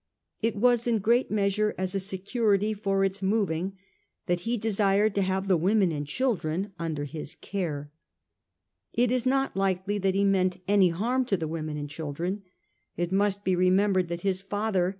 It was in great measure as a security for its moving that he desired to have the women and children under his care. It is not likely that he meant any harm to the women and chil dren; it must be remembered that his father and 1842.